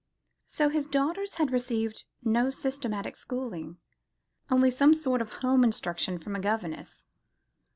So his daughters had received no systematic schooling, only some sort of home instruction from a governess.